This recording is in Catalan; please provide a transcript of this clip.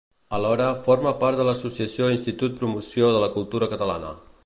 Alhora, forma part de l'Associació Institut Promoció de la Cultura Catalana.